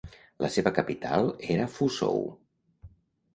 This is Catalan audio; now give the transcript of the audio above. La seva capital era Fuzhou.